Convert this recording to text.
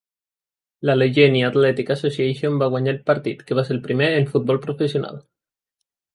L'Allegheny Athletic Association va guanyar el partit, que va ser el primer en futbol professional.